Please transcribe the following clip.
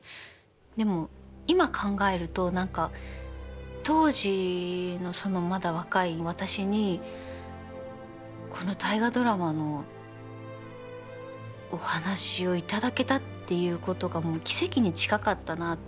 でも今考えると何か当時のそのまだ若い私にこの「大河ドラマ」のお話を頂けたっていうことがもう奇跡に近かったなって。